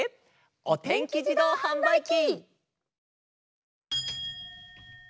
「おてんきじどうはんばいき」。